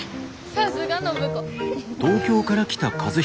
さすが暢子。